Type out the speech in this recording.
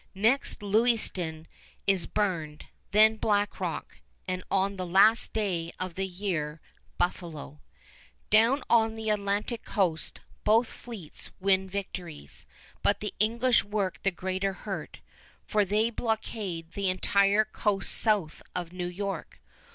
Next, Lewiston is burned, then Black Rock, and on the last day of the year, Buffalo. Down on the Atlantic Coast both fleets win victories, but the English work the greater hurt, for they blockade the entire coast south of New York.